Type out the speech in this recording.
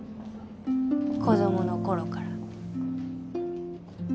子供の頃から。